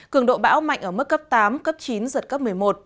cường độ bão mạnh ở mức cấp tám cấp chín giật cấp một mươi một